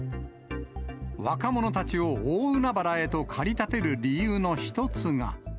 若者たちを大海原へと駆り立てる理由の一つが。